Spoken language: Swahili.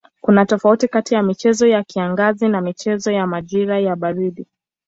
Kuna tofauti kati ya michezo ya kiangazi na michezo ya majira ya baridi.